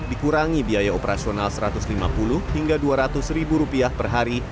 dikurangi biaya operasional satu ratus lima puluh hingga dua ratus ribu rupiah per hari